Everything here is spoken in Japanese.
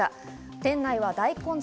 店内は大混雑。